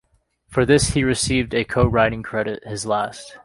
For this he received a co-writing credit, his last.